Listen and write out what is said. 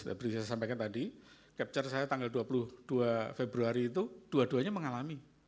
seperti saya sampaikan tadi capture saya tanggal dua puluh dua februari itu dua duanya mengalami